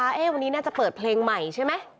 วันนี้น่าจะเปิดเพลงใหม่ใช่ไหม